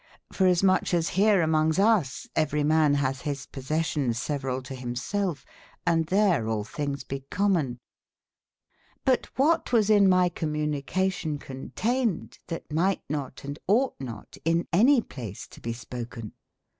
f or/ asmucheashereamongesus, everyeman hathe his possessions severall to him self e, and there all thinges be common* ^^^Cl'C what was in my communica fi^m ^^^" conteyned, that mighte not, ^^Sl and oughte not in anye place to be spoken